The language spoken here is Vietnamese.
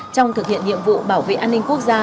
trong thực hiện nhiệm vụ bảo vệ an ninh quốc gia